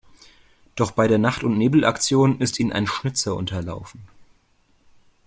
Doch bei der Nacht-und-Nebel-Aktion ist ihnen ein Schnitzer unterlaufen.